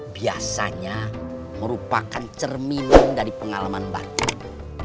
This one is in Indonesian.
biasanya merupakan cerminan dari pengalaman batik